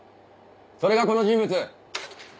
それがこの人物！